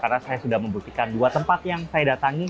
karena saya sudah membuktikan dua tempat yang saya datangi